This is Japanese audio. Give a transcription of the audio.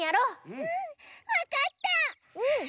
うんわかった！